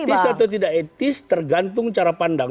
etis atau tidak etis tergantung cara pandang